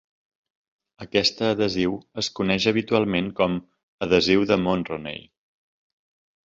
Aquesta adhesiu es coneix habitualment com "adhesiu de Monroney".